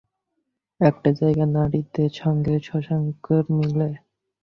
একটা জায়গায় নীরদের সঙ্গে শশাঙ্কের মেলে।